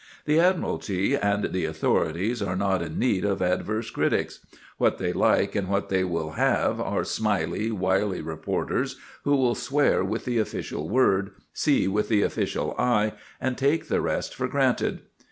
The Admiralty and the authorities are not in need of adverse critics. What they like and what they will have are smily, wily reporters, who will swear with the official word, see with the official eye, and take the rest for granted.